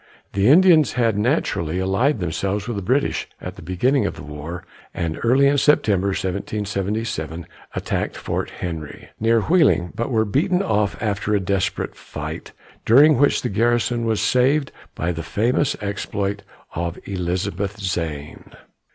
The Indians had naturally allied themselves with the British at the beginning of the war, and early in September, 1777, attacked Fort Henry, near Wheeling, but were beaten off after a desperate fight, during which the garrison was saved by the famous exploit of Elizabeth Zane.